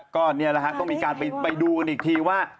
ก็นี่แหละฮะต้องมีการไปดูกันอีกทีว่า